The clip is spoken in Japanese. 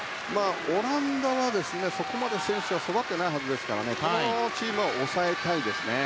オランダはそこまで選手は育ってないはずですからこのチームは抑えたいですよね。